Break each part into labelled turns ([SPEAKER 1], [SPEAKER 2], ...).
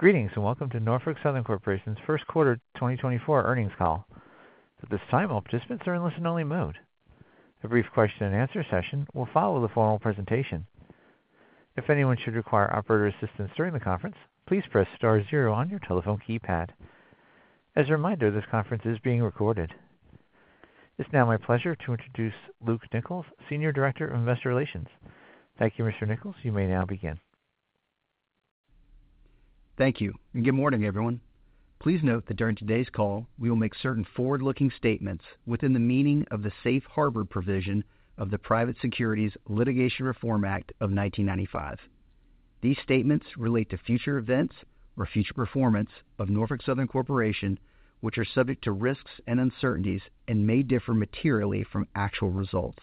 [SPEAKER 1] Greetings, and welcome to Norfolk Southern Corporation's First Quarter 2024 Earnings Call. At this time, all participants are in listen-only mode. A brief question-and-answer session will follow the formal presentation. If anyone should require operator assistance during the conference, please press star zero on your telephone keypad. As a reminder, this conference is being recorded. It's now my pleasure to introduce Luke Nichols, Senior Director of Investor Relations. Thank you, Mr. Nichols. You may now begin.
[SPEAKER 2] Thank you, and good morning, everyone. Please note that during today's call, we will make certain forward-looking statements within the meaning of the Safe Harbor provision of the Private Securities Litigation Reform Act of 1995. These statements relate to future events or future performance of Norfolk Southern Corporation, which are subject to risks and uncertainties and may differ materially from actual results.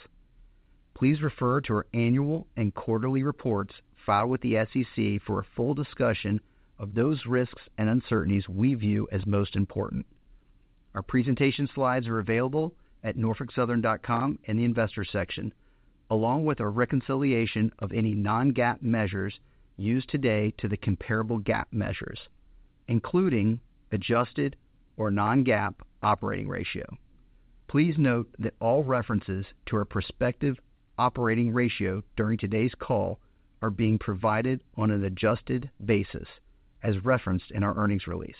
[SPEAKER 2] Please refer to our annual and quarterly reports filed with the SEC for a full discussion of those risks and uncertainties we view as most important. Our presentation slides are available at norfolksouthern.com in the Investor section, along with a reconciliation of any non-GAAP measures used today to the comparable GAAP measures, including adjusted or non-GAAP operating ratio. Please note that all references to our prospective operating ratio during today's call are being provided on an adjusted basis, as referenced in our earnings release.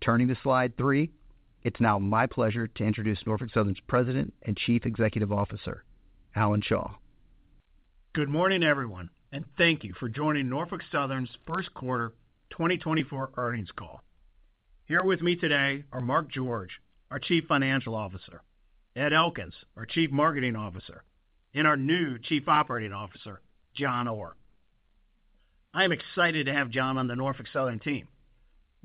[SPEAKER 2] Turning to Slide three, it's now my pleasure to introduce Norfolk Southern's President and Chief Executive Officer, Alan Shaw.
[SPEAKER 3] Good morning, everyone, and thank you for joining Norfolk Southern's First Quarter 2024 Earnings Call. Here with me today are Mark George, our Chief Financial Officer, Ed Elkins, our Chief Marketing Officer, and our new Chief Operating Officer, John Orr. I am excited to have John on the Norfolk Southern team.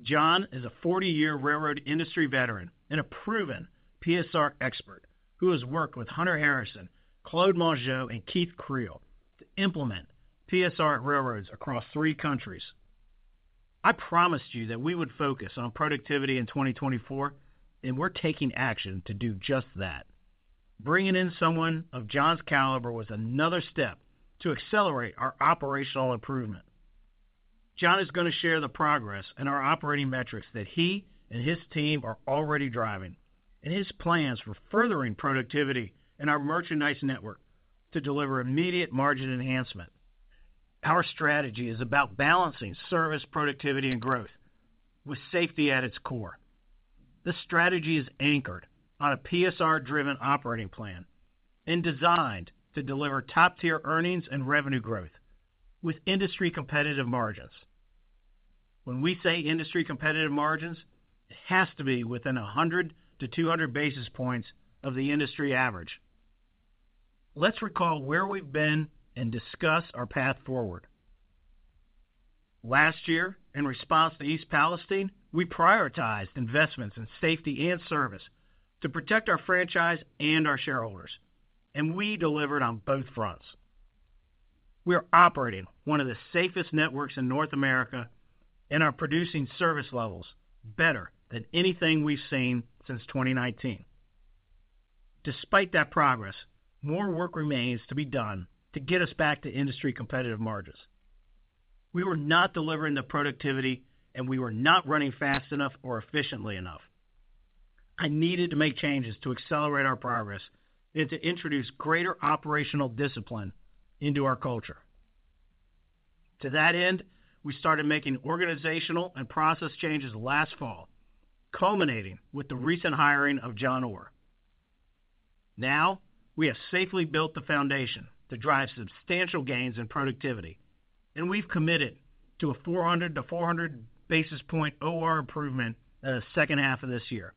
[SPEAKER 3] John is a 40-year railroad industry veteran and a proven PSR expert, who has worked with Hunter Harrison, Claude Mongeau, and Keith Creel to implement PSR at railroads across three countries. I promised you that we would focus on productivity in 2024, and we're taking action to do just that. Bringing in someone of John's caliber was another step to accelerate our operational improvement. John is going to share the progress and our operating metrics that he and his team are already driving, and his plans for furthering productivity in our merchandise network to deliver immediate margin enhancement. Our strategy is about balancing service, productivity, and growth with safety at its core. This strategy is anchored on a PSR-driven operating plan and designed to deliver top-tier earnings and revenue growth with industry-competitive margins. When we say industry-competitive margins, it has to be within 100-200 basis points of the industry average. Let's recall where we've been and discuss our path forward. Last year, in response to East Palestine, we prioritized investments in safety and service to protect our franchise and our shareholders, and we delivered on both fronts. We are operating one of the safest networks in North America and are producing service levels better than anything we've seen since 2019. Despite that progress, more work remains to be done to get us back to industry-competitive margins. We were not delivering the productivity, and we were not running fast enough or efficiently enough. I needed to make changes to accelerate our progress and to introduce greater operational discipline into our culture. To that end, we started making organizational and process changes last fall, culminating with the recent hiring of John Orr. Now, we have safely built the foundation to drive substantial gains in productivity, and we've committed to a 400-400 basis point OR improvement in the second half of this year.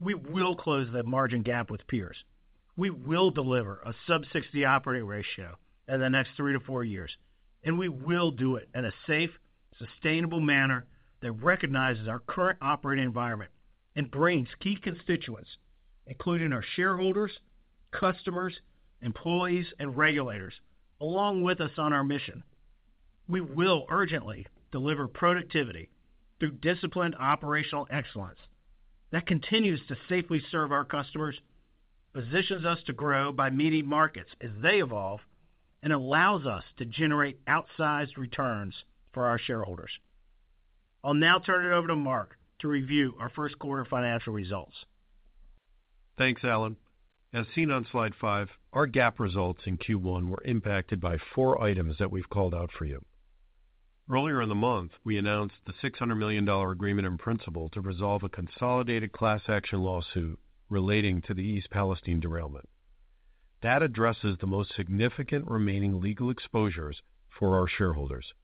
[SPEAKER 3] We will close the margin gap with peers. We will deliver a sub-60 operating ratio in the next three to four years, and we will do it in a safe, sustainable manner that recognizes our current operating environment and brings key constituents, including our shareholders, customers, employees, and regulators, along with us on our mission. We will urgently deliver productivity through disciplined operational excellence that continues to safely serve our customers, positions us to grow by meeting markets as they evolve, and allows us to generate outsized returns for our shareholders. I'll now turn it over to Mark to review our first quarter financial results.
[SPEAKER 4] Thanks, Alan. As seen on Slide five, our GAAP results in Q1 were impacted by four items that we've called out for you. Earlier in the month, we announced the $600 million agreement in principle to resolve a consolidated class action lawsuit relating to the East Palestine derailment. That addresses the most significant remaining legal exposures for our shareholders,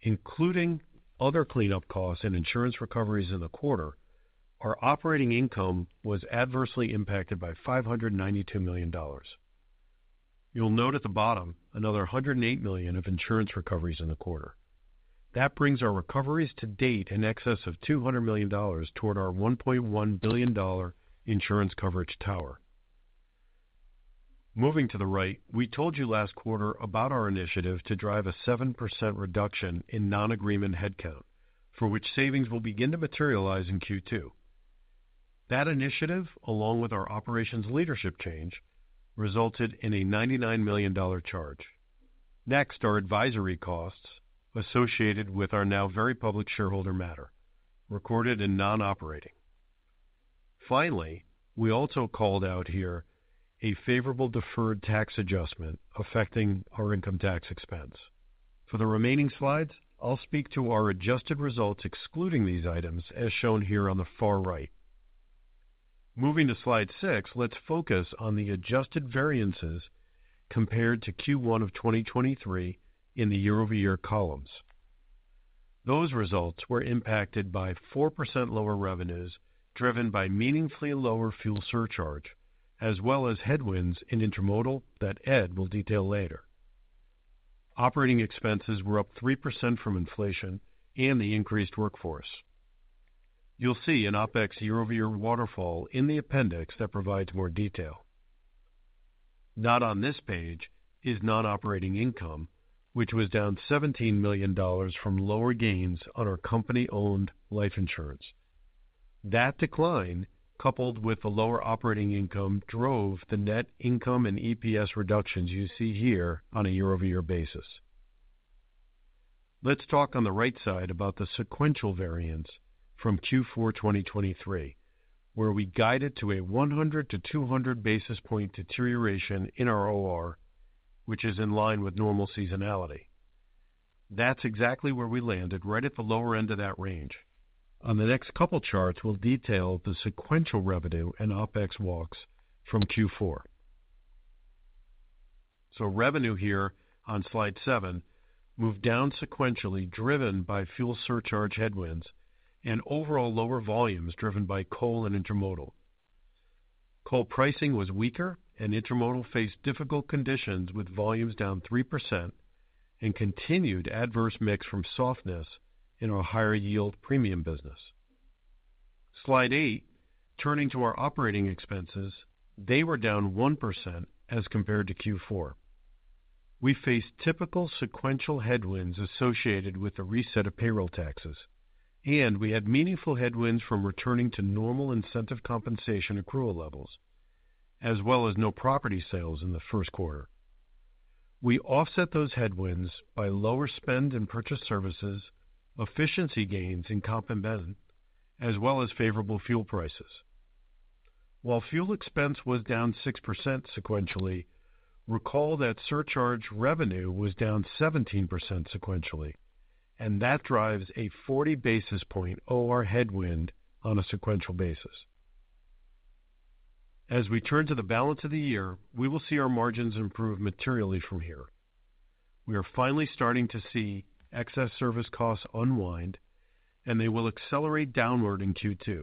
[SPEAKER 4] including other cleanup costs and insurance recoveries in the quarter. Our operating income was adversely impacted by $592 million. You'll note at the bottom another $108 million of insurance recoveries in the quarter. That brings our recoveries to date in excess of $200 million toward our $1.1 billion insurance coverage tower. Moving to the right, we told you last quarter about our initiative to drive a 7% reduction in non-agreement headcount, for which savings will begin to materialize in Q2. That initiative, along with our operations leadership change, resulted in a $99 million charge. Next, our advisory costs associated with our now very public shareholder matter, recorded in non-operating. Finally, we also called out here a favorable deferred tax adjustment affecting our income tax expense. For the remaining slides, I'll speak to our adjusted results, excluding these items, as shown here on the far right. Moving to Slide six, let's focus on the adjusted variances compared to Q1 of 2023 in the year-over-year columns. Those results were impacted by 4% lower revenues, driven by meaningfully lower fuel surcharge, as well as headwinds in intermodal that Ed will detail later. Operating expenses were up 3% from inflation and the increased workforce. You'll see an OpEx year-over-year waterfall in the appendix that provides more detail. Not on this page is non-operating income, which was down $17 million from lower gains on our company-owned life insurance. That decline, coupled with the lower operating income, drove the net income and EPS reductions you see here on a year-over-year basis. Let's talk on the right side about the sequential variance from Q4 2023, where we guided to a 100-200 basis point deterioration in our OR, which is in line with normal seasonality. That's exactly where we landed, right at the lower end of that range. On the next couple charts, we'll detail the sequential revenue and OpEx walks from Q4. So revenue here on Slide seven moved down sequentially, driven by fuel surcharge headwinds and overall lower volumes driven by coal and intermodal. Coal pricing was weaker, and intermodal faced difficult conditions, with volumes down 3% and continued adverse mix from softness in our higher yield premium business. Slide eight, turning to our operating expenses, they were down 1% as compared to Q4. We faced typical sequential headwinds associated with the reset of payroll taxes, and we had meaningful headwinds from returning to normal incentive compensation accrual levels, as well as no property sales in the first quarter. We offset those headwinds by lower spend and purchased services, efficiency gains in comp and benefit, as well as favorable fuel prices. While fuel expense was down 6% sequentially, recall that surcharge revenue was down 17% sequentially, and that drives a 40 basis point OR headwind on a sequential basis. As we turn to the balance of the year, we will see our margins improve materially from here. We are finally starting to see excess service costs unwind, and they will accelerate downward in Q2.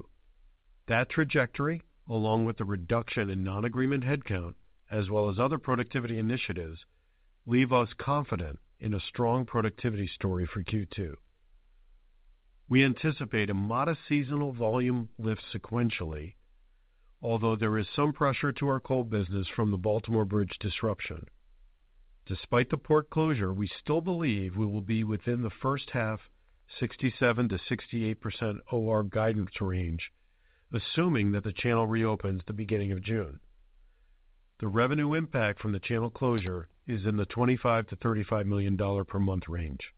[SPEAKER 4] That trajectory, along with the reduction in non-agreement headcount, as well as other productivity initiatives, leave us confident in a strong productivity story for Q2. We anticipate a modest seasonal volume lift sequentially, although there is some pressure to our coal business from the Baltimore bridge disruption. Despite the port closure, we still believe we will be within the first half 67%-68% OR guidance range, assuming that the channel reopens the beginning of June. The revenue impact from the channel closure is in the $25 million-$35 million per month range.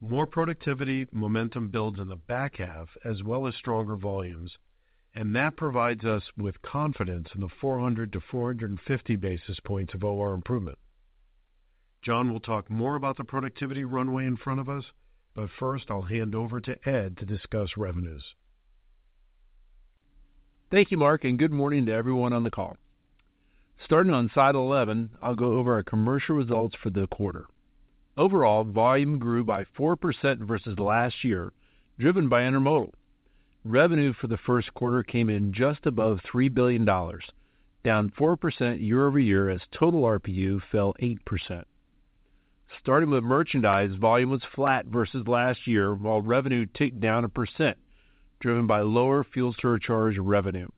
[SPEAKER 4] More productivity momentum builds in the back half, as well as stronger volumes, and that provides us with confidence in the 400-450 basis points of OR improvement. John will talk more about the productivity runway in front of us, but first, I'll hand over to Ed to discuss revenues.
[SPEAKER 5] Thank you, Mark, and good morning to everyone on the call. Starting on Slide 11, I'll go over our commercial results for the quarter. Overall, volume grew by 4% versus last year, driven by intermodal. Revenue for the first quarter came in just above $3 billion, down 4% year-over-year as total RPU fell 8%. Starting with merchandise, volume was flat versus last year, while revenue ticked down 1%, driven by lower fuel surcharge revenue.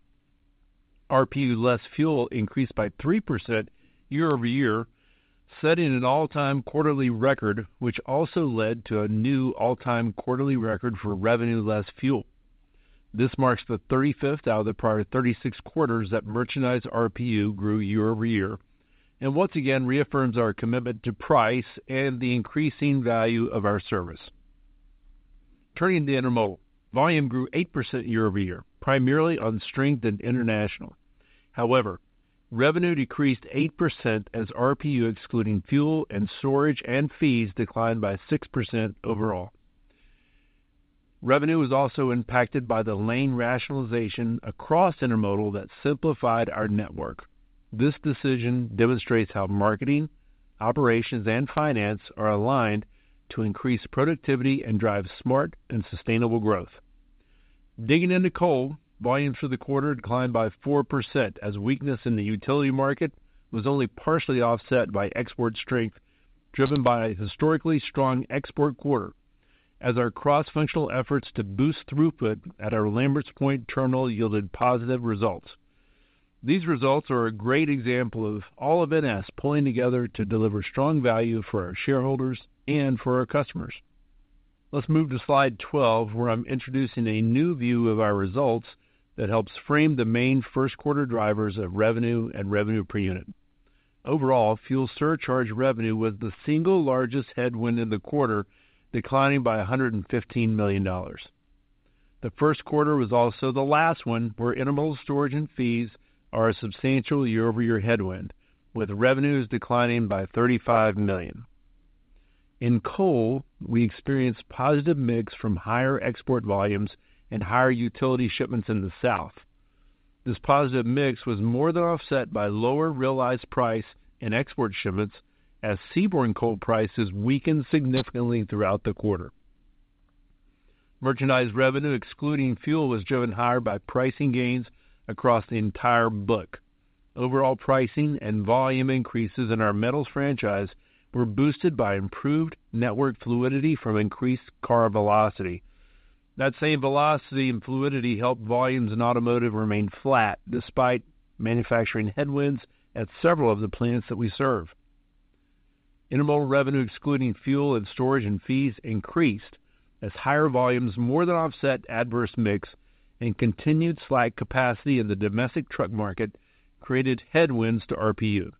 [SPEAKER 5] RPU less fuel increased by 3% year-over-year, setting an all-time quarterly record, which also led to a new all-time quarterly record for revenue less fuel. This marks the 35th out of the prior 36 quarters that merchandise RPU grew year-over-year, and once again reaffirms our commitment to price and the increasing value of our service. Turning to intermodal. Volume grew 8% year-over-year, primarily on strength in international. However, revenue decreased 8% as RPU, excluding fuel and storage and fees, declined by 6% overall. Revenue was also impacted by the lane rationalization across intermodal that simplified our network. This decision demonstrates how marketing, operations, and finance are aligned to increase productivity and drive smart and sustainable growth. Digging into coal, volumes for the quarter declined by 4%, as weakness in the utility market was only partially offset by export strength, driven by a historically strong export quarter, as our cross-functional efforts to boost throughput at our Lamberts Point terminal yielded positive results. These results are a great example of all of NS pulling together to deliver strong value for our shareholders and for our customers. Let's move to Slide 12, where I'm introducing a new view of our results that helps frame the main first quarter drivers of revenue and revenue per unit. Overall, fuel surcharge revenue was the single largest headwind in the quarter, declining by $115 million. The first quarter was also the last one, where intermodal storage and fees are a substantial year-over-year headwind, with revenues declining by $35 million. In coal, we experienced positive mix from higher export volumes and higher utility shipments in the south. This positive mix was more than offset by lower realized price and export shipments as seaborne coal prices weakened significantly throughout the quarter. Merchandise revenue, excluding fuel, was driven higher by pricing gains across the entire book. Overall pricing and volume increases in our metals franchise were boosted by improved network fluidity from increased car velocity. That same velocity and fluidity helped volumes in automotive remain flat, despite manufacturing headwinds at several of the plants that we serve. Intermodal revenue, excluding fuel and storage and fees, increased as higher volumes more than offset adverse mix and continued slack capacity in the domestic truck market created headwinds to RPU.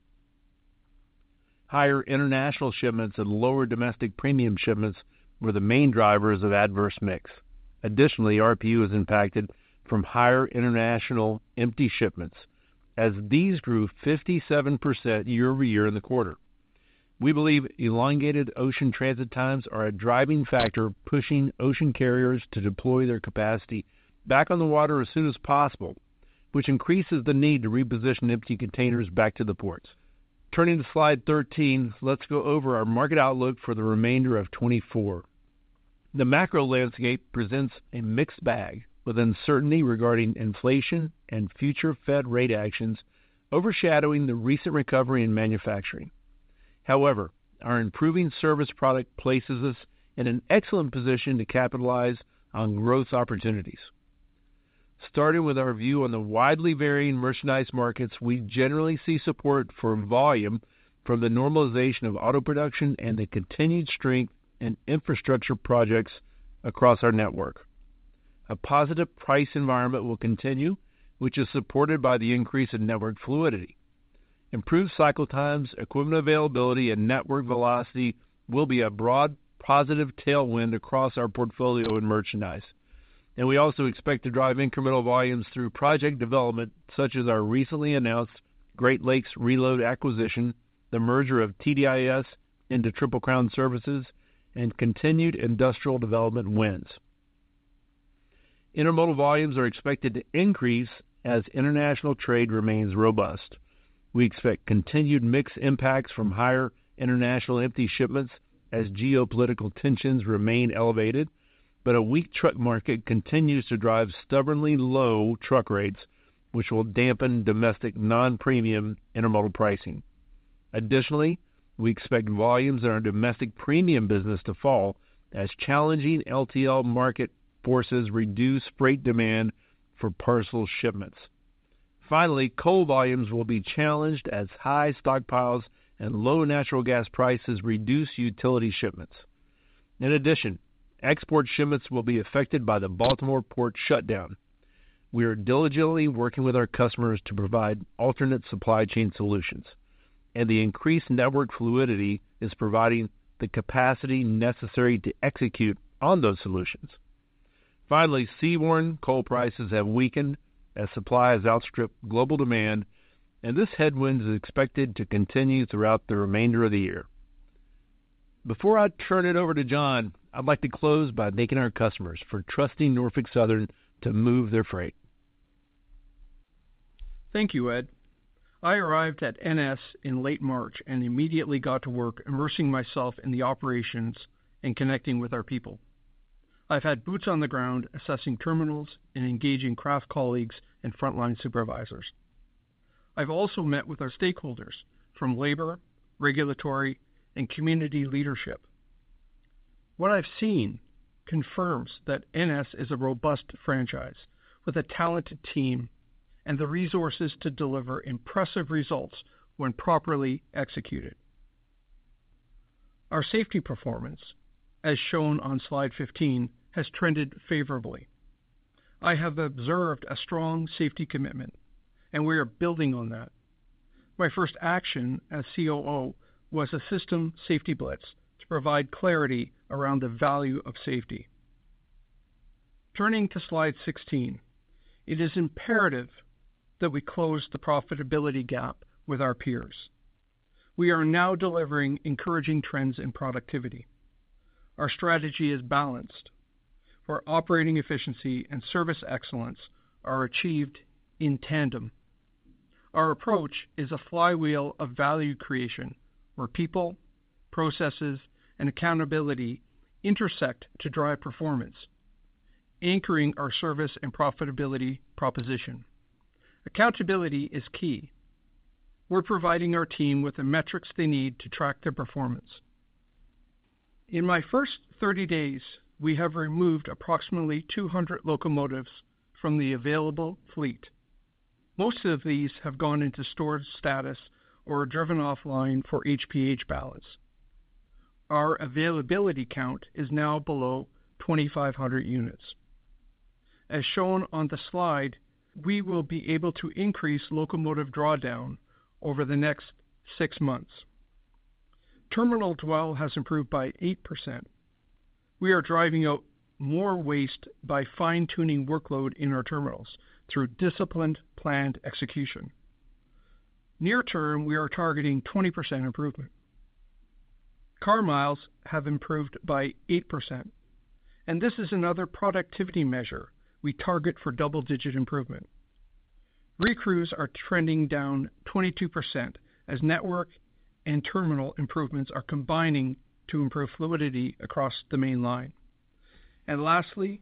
[SPEAKER 5] Higher international shipments and lower domestic premium shipments were the main drivers of adverse mix. Additionally, RPU is impacted from higher international empty shipments as these grew 57% year-over-year in the quarter. We believe elongated ocean transit times are a driving factor, pushing ocean carriers to deploy their capacity back on the water as soon as possible, which increases the need to reposition empty containers back to the ports. Turning to Slide 13, let's go over our market outlook for the remainder of 2024. The macro landscape presents a mixed bag, with uncertainty regarding inflation and future Fed rate actions overshadowing the recent recovery in manufacturing. However, our improving service product places us in an excellent position to capitalize on growth opportunities. Starting with our view on the widely varying merchandise markets, we generally see support for volume from the normalization of auto production and the continued strength in infrastructure projects across our network. A positive price environment will continue, which is supported by the increase in network fluidity. Improved cycle times, equipment availability, and network velocity will be a broad positive tailwind across our portfolio in merchandise, and we also expect to drive incremental volumes through project development, such as our recently announced Great Lakes Reload acquisition, the merger of TDIS into Triple Crown Services, and continued industrial development wins. Intermodal volumes are expected to increase as international trade remains robust. We expect continued mix impacts from higher international empty shipments as geopolitical tensions remain elevated, but a weak truck market continues to drive stubbornly low truck rates, which will dampen domestic non-premium intermodal pricing. Additionally, we expect volumes in our domestic premium business to fall as challenging LTL market forces reduce freight demand for parcel shipments. Finally, coal volumes will be challenged as high stockpiles and low natural gas prices reduce utility shipments. In addition, export shipments will be affected by the Baltimore port shutdown. We are diligently working with our customers to provide alternate supply chain solutions, and the increased network fluidity is providing the capacity necessary to execute on those solutions. Finally, seaborne coal prices have weakened as supply has outstripped global demand, and this headwind is expected to continue throughout the remainder of the year. Before I turn it over to John, I'd like to close by thanking our customers for trusting Norfolk Southern to move their freight.
[SPEAKER 6] Thank you, Ed. I arrived at NS in late March and immediately got to work immersing myself in the operations and connecting with our people. I've had boots on the ground, assessing terminals and engaging craft colleagues and frontline supervisors. I've also met with our stakeholders from labor, regulatory, and community leadership. What I've seen confirms that NS is a robust franchise with a talented team and the resources to deliver impressive results when properly executed. Our safety performance, as shown on Slide 15, has trended favorably. I have observed a strong safety commitment, and we are building on that. My first action as COO was a system safety blitz to provide clarity around the value of safety. Turning to Slide 16, it is imperative that we close the profitability gap with our peers. We are now delivering encouraging trends in productivity. Our strategy is balanced, where operating efficiency and service excellence are achieved in tandem. Our approach is a flywheel of value creation, where people, processes, and accountability intersect to drive performance, anchoring our service and profitability proposition. Accountability is key. We're providing our team with the metrics they need to track their performance. In my first 30 days, we have removed approximately 200 locomotives from the available fleet. Most of these have gone into storage status or are driven offline for HPH balance. Our availability count is now below 2,500 units. As shown on the slide, we will be able to increase locomotive drawdown over the next six months. Terminal dwell has improved by 8%. We are driving out more waste by fine-tuning workload in our terminals through disciplined, planned execution. Near term, we are targeting 20% improvement. Car miles have improved by 8%, and this is another productivity measure we target for double-digit improvement. Re-crews are trending down 22% as network and terminal improvements are combining to improve fluidity across the main line. Lastly,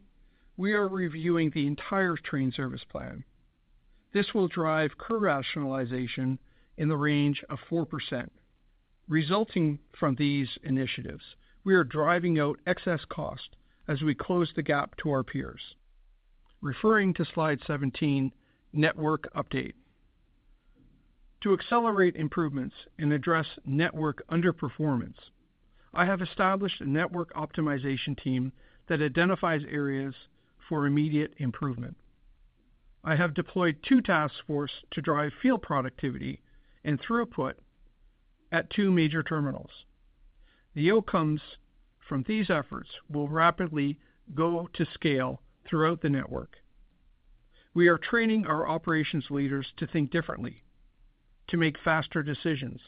[SPEAKER 6] we are reviewing the entire train service plan. This will drive crew rationalization in the range of 4%. Resulting from these initiatives, we are driving out excess cost as we close the gap to our peers. Referring to Slide 17, Network Update. To accelerate improvements and address network underperformance, I have established a network optimization team that identifies areas for immediate improvement. I have deployed two task force to drive field productivity and throughput at two major terminals. The outcomes from these efforts will rapidly go to scale throughout the network. We are training our operations leaders to think differently, to make faster decisions,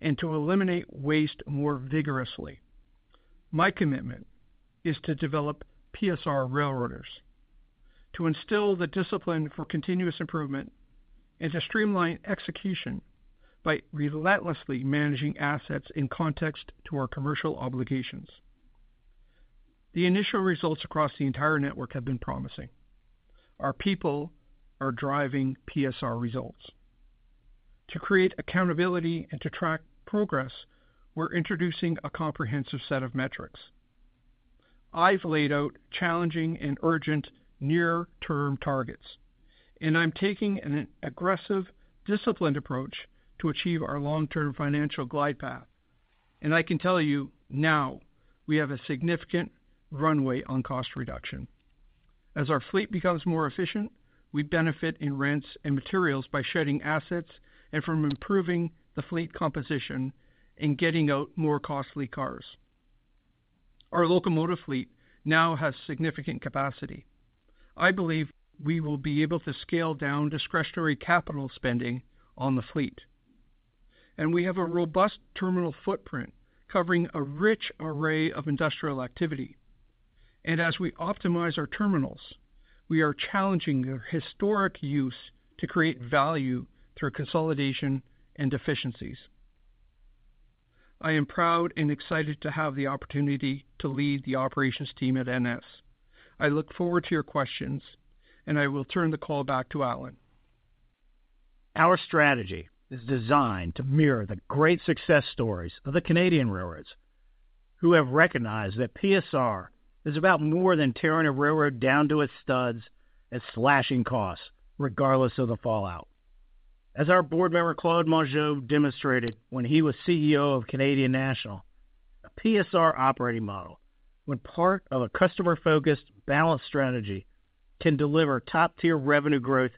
[SPEAKER 6] and to eliminate waste more vigorously. My commitment is to develop PSR railroaders, to instill the discipline for continuous improvement, and to streamline execution by relentlessly managing assets in context to our commercial obligations. The initial results across the entire network have been promising. Our people are driving PSR results. To create accountability and to track progress, we're introducing a comprehensive set of metrics. I've laid out challenging and urgent near-term targets, and I'm taking an aggressive, disciplined approach to achieve our long-term financial glide path. I can tell you now, we have a significant runway on cost reduction. As our fleet becomes more efficient, we benefit in rents and materials by shedding assets and from improving the fleet composition and getting out more costly cars. Our locomotive fleet now has significant capacity. I believe we will be able to scale down discretionary capital spending on the fleet. We have a robust terminal footprint covering a rich array of industrial activity. As we optimize our terminals, we are challenging their historic use to create value through consolidation and efficiencies. I am proud and excited to have the opportunity to lead the operations team at NS. I look forward to your questions, and I will turn the call back to Alan.
[SPEAKER 3] Our strategy is designed to mirror the great success stories of the Canadian railroads, who have recognized that PSR is about more than tearing a railroad down to its studs and slashing costs, regardless of the fallout. As our board member, Claude Mongeau, demonstrated when he was CEO of Canadian National, a PSR operating model, when part of a customer-focused, balanced strategy, can deliver top-tier revenue growth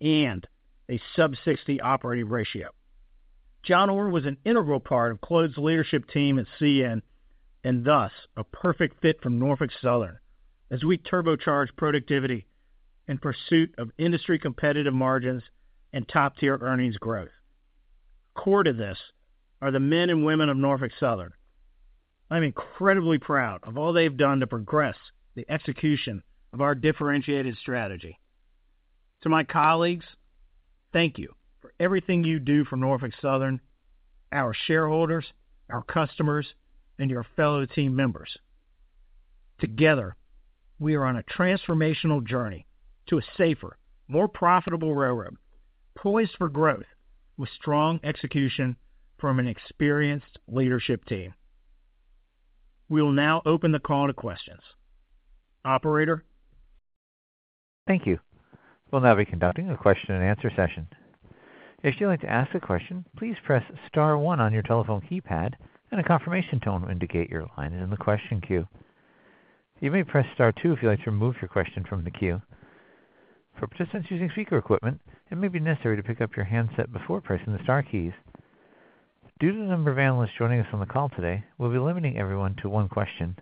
[SPEAKER 3] and a sub-60 operating ratio. John Orr was an integral part of Claude's leadership team at CN and thus a perfect fit from Norfolk Southern as we turbocharge productivity in pursuit of industry-competitive margins and top-tier earnings growth. Core to this are the men and women of Norfolk Southern. I'm incredibly proud of all they've done to progress the execution of our differentiated strategy. To my colleagues, thank you for everything you do for Norfolk Southern, our shareholders, our customers, and your fellow team members. Together, we are on a transformational journey to a safer, more profitable railroad, poised for growth with strong execution from an experienced leadership team. We will now open the call to questions. Operator?
[SPEAKER 1] Thank you. We'll now be conducting a question-and-answer session. If you'd like to ask a question, please press star one on your telephone keypad, and a confirmation tone will indicate you're lined in the question queue. You may press star two if you'd like to remove your question from the queue. For participants using speaker equipment, it may be necessary to pick up your handset before pressing the star keys. Due to the number of analysts joining us on the call today, we'll be limiting everyone to one question.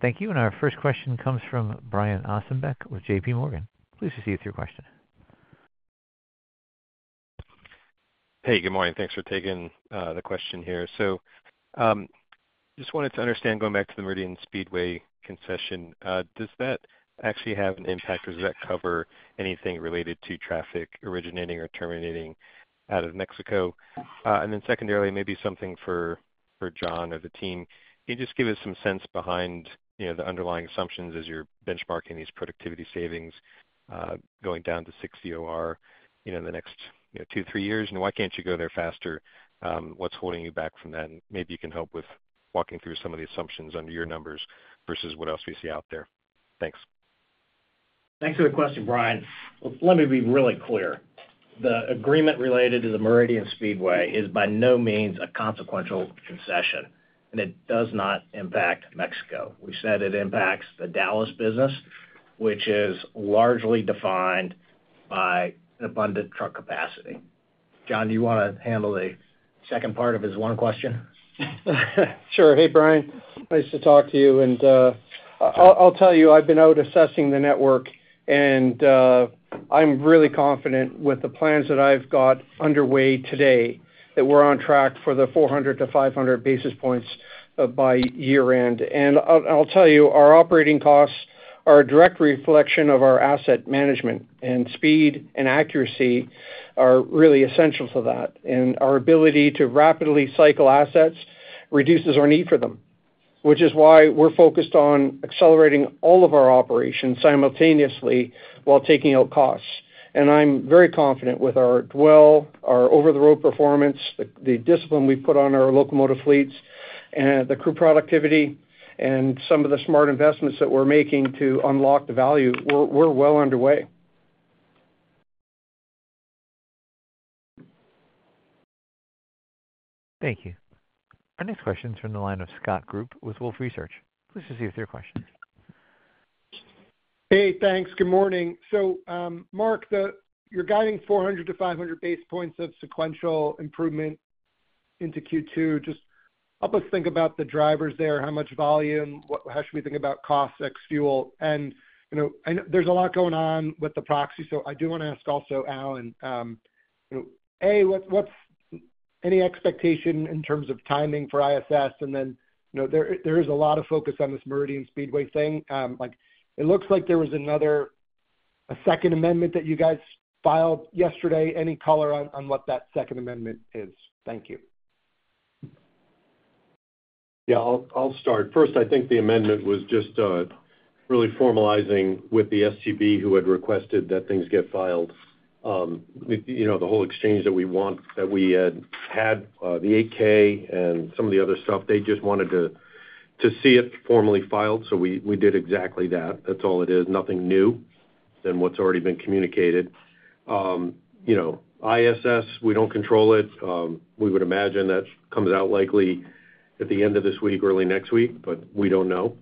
[SPEAKER 1] Thank you, and our first question comes from Brian Ossenbeck with JPMorgan. Please proceed with your question.
[SPEAKER 7] Hey, good morning. Thanks for taking the question here. So, just wanted to understand, going back to the Meridian Speedway concession, does that actually have an impact, or does that cover anything related to traffic originating or terminating out of Mexico? And then secondarily, maybe something for John or the team. Can you just give us some sense behind, you know, the underlying assumptions as you're benchmarking these productivity savings, going down to 60 OR in the next two, three years? And why can't you go there faster? What's holding you back from that? And maybe you can help with walking through some of the assumptions under your numbers versus what else we see out there. Thanks. ...
[SPEAKER 3] Thanks for the question, Brian. Well, let me be really clear. The agreement related to the Meridian Speedway is by no means a consequential concession, and it does not impact Mexico. We said it impacts the Dallas business, which is largely defined by an abundant truck capacity. John, do you want to handle the second part of his one question?
[SPEAKER 6] Sure. Hey, Brian, nice to talk to you. I'll tell you, I've been out assessing the network, and I'm really confident with the plans that I've got underway today, that we're on track for 400-500 basis points by year-end. I'll tell you, our operating costs are a direct reflection of our asset management, and speed and accuracy are really essential to that. Our ability to rapidly cycle assets reduces our need for them, which is why we're focused on accelerating all of our operations simultaneously while taking out costs. I'm very confident with our dwell, our over-the-road performance, the discipline we've put on our locomotive fleets and the crew productivity and some of the smart investments that we're making to unlock the value. We're well underway.
[SPEAKER 1] Thank you. Our next question is from the line of Scott Group with Wolfe Research. Please proceed with your question.
[SPEAKER 8] Hey, thanks. Good morning. So, Mark, you're guiding 400-500 basis points of sequential improvement into Q2. Just help us think about the drivers there, how much volume, how should we think about costs, ex fuel? And, you know, I know there's a lot going on with the proxy, so I do want to ask also, Alan, you know, A, what's any expectation in terms of timing for ISS? And then, you know, there is a lot of focus on this Meridian Speedway thing. Like, it looks like there was another, a second amendment that you guys filed yesterday. Any color on what that second amendment is? Thank you.
[SPEAKER 4] Yeah, I'll start. First, I think the amendment was just really formalizing with the STB, who had requested that things get filed. You know, the whole exchange that we want, that we had had, the 8-K and some of the other stuff, they just wanted to see it formally filed, so we did exactly that. That's all it is, nothing new than what's already been communicated. You know, ISS, we don't control it. We would imagine that comes out likely at the end of this week, early next week, but we don't know.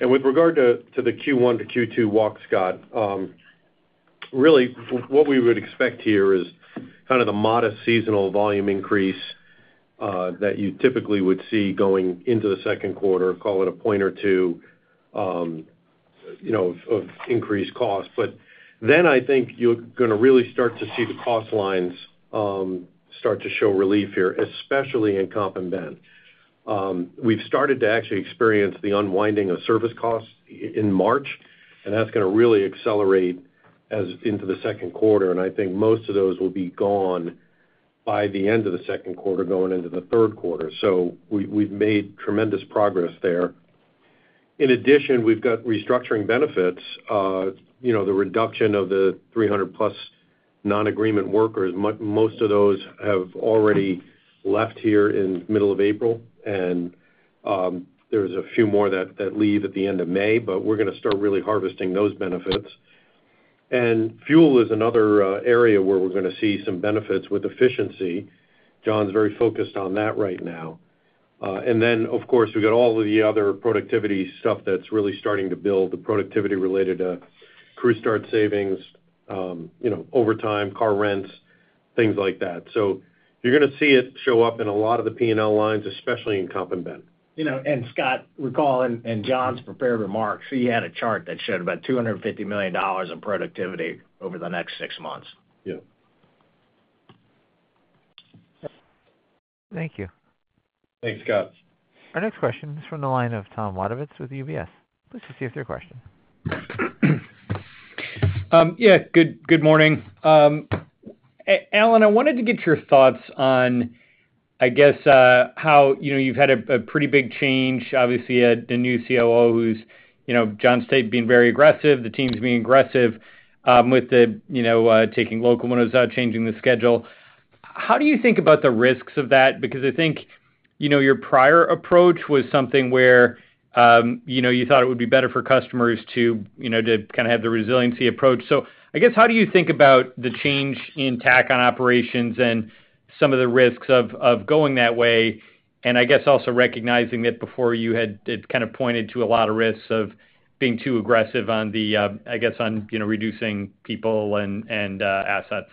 [SPEAKER 4] And with regard to the Q1 to Q2 walk, Scott, really, what we would expect here is kind of the modest seasonal volume increase that you typically would see going into the second quarter, call it a point or two, you know, of increased costs. But then I think you're going to really start to see the cost lines start to show relief here, especially in comp and benefits. We've started to actually experience the unwinding of service costs in March, and that's going to really accelerate as into the second quarter, and I think most of those will be gone by the end of the second quarter, going into the third quarter. So we've made tremendous progress there. In addition, we've got restructuring benefits. You know, the reduction of the 300+ non-agreement workers, most of those have already left here in middle of April, and there's a few more that leave at the end of May, but we're going to start really harvesting those benefits. Fuel is another area where we're going to see some benefits with efficiency. John's very focused on that right now. Then, of course, we've got all of the other productivity stuff that's really starting to build, the productivity related to crew start savings, you know, overtime, car rents, things like that. So you're going to see it show up in a lot of the P&L lines, especially in comp and benefits.
[SPEAKER 3] You know, and Scott, recall in John's prepared remarks, he had a chart that showed about $250 million of productivity over the next six months.
[SPEAKER 4] Yeah.
[SPEAKER 1] Thank you.
[SPEAKER 4] Thanks, Scott.
[SPEAKER 1] Our next question is from the line of Tom Wadewitz with UBS. Please proceed with your question.
[SPEAKER 9] Yeah, good, good morning. Alan, I wanted to get your thoughts on, I guess, how, you know, you've had a pretty big change, obviously, the new COO, who's, you know, John Orr being very aggressive, the teams being aggressive, with the, you know, taking local when I was out, changing the schedule. How do you think about the risks of that? Because I think, you know, your prior approach was something where, you know, you thought it would be better for customers to, you know, to kind of have the resiliency approach. So I guess, how do you think about the change in tack on operations and some of the risks of going that way? I guess also recognizing that before you had, it kind of pointed to a lot of risks of being too aggressive on the, I guess, on, you know, reducing people and assets.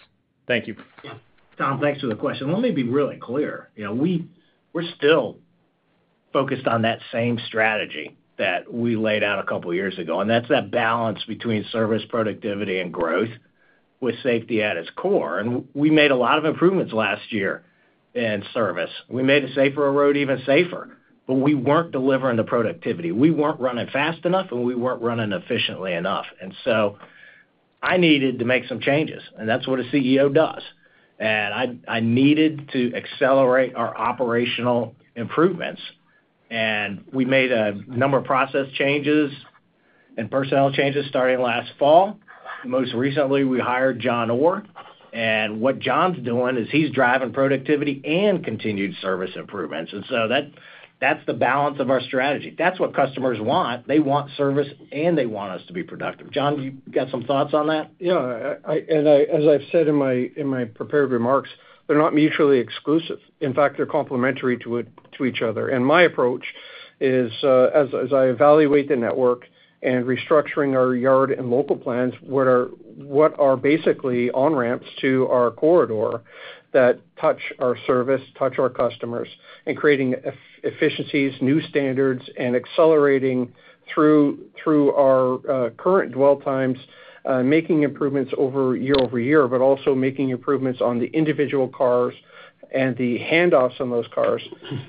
[SPEAKER 9] Thank you.
[SPEAKER 3] Yeah. Tom, thanks for the question. Let me be really clear. You know, we're still focused on that same strategy that we laid out a couple of years ago, and that's that balance between service, productivity, and growth, with safety at its core. We made a lot of improvements last year in service. We made a safer road even safer, but we weren't delivering the productivity, we weren't running fast enough, and we weren't running efficiently enough. I needed to make some changes, and that's what a CEO does. I needed to accelerate our operational improvements, and we made a number of process changes and personnel changes starting last fall. ...Most recently, we hired John Orr, and what John's doing is he's driving productivity and continued service improvements. And so that's the balance of our strategy. That's what customers want. They want service, and they want us to be productive. John, do you got some thoughts on that?
[SPEAKER 6] Yeah, and as I've said in my, in my prepared remarks, they're not mutually exclusive. In fact, they're complementary to it, to each other. And my approach is, as I evaluate the network and restructuring our yard and local plans, what are basically on-ramps to our corridor that touch our service, touch our customers, and creating efficiencies, new standards, and accelerating through our current dwell times, making improvements over year-over-year, but also making improvements on the individual cars and the handoffs on those cars,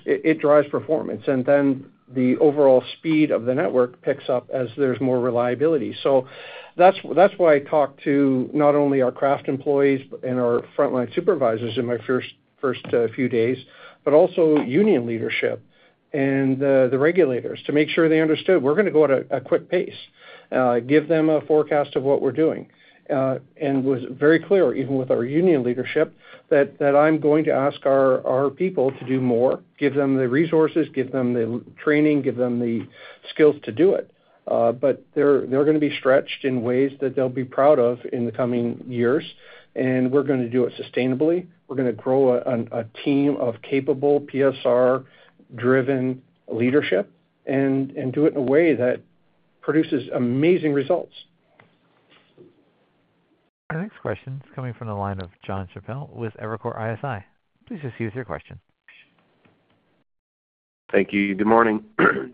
[SPEAKER 6] it drives performance, and then the overall speed of the network picks up as there's more reliability. So that's why I talked to not only our craft employees and our frontline supervisors in my first few days, but also union leadership and the regulators, to make sure they understood we're gonna go at a quick pace, give them a forecast of what we're doing. And was very clear, even with our union leadership, that I'm going to ask our people to do more, give them the resources, give them the training, give them the skills to do it. But they're gonna be stretched in ways that they'll be proud of in the coming years, and we're gonna do it sustainably. We're gonna grow a team of capable PSR-driven leadership and do it in a way that produces amazing results.
[SPEAKER 1] Our next question is coming from the line of Jon Chappell with Evercore ISI. Please just use your question.
[SPEAKER 10] Thank you. Good morning.